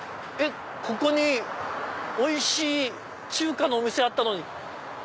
ここにおいしい中華のお店あったのに。